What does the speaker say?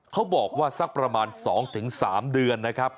เขาบอกว่าสักประมาณ๒๓เดือนนะครับ